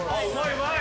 うまい。